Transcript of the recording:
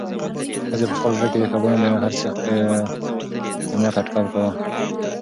ښځې په خپل زړه کې د کبابو د هر سیخ قیمت اټکل کاوه.